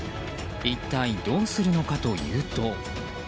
一体どうするのかというと。